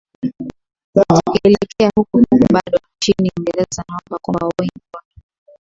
tukielekea huko huko bado nchini uingereza naomba kwamba wayne rooney